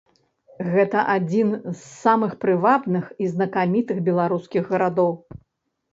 Гэта адзін з самых прывабных і знакамітых беларускіх гарадоў.